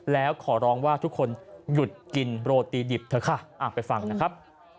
แล้วขอร้องว่าทุกคนหยุดกินโรตีดิบเถอะค่ะไปฟังนะครับ